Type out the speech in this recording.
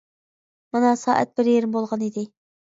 مانا سائەت بىر يېرىم بولغان ئىدى.